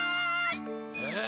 え！